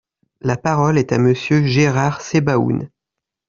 La parole est à Monsieur Gérard Sebaoun.